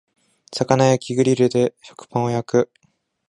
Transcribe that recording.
魚焼きグリルで食パンを焼く